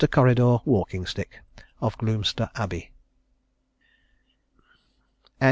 CORRIDOR WALKINGSTICK of GLOOMSTER ABBEY J.